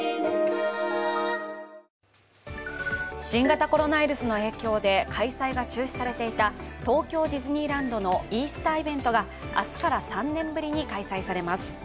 新型コロナの影響で開催が中止されていた東京ディズニーランドのイースターイベントが明日から３年ぶりに開催されます。